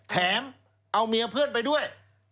แถมเอาเมียเพื่อนไปด้วย